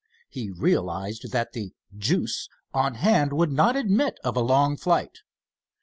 He realized that the "juice" on hand would not admit of a long flight.